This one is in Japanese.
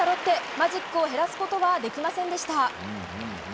マジックを減らすことはできませんでした。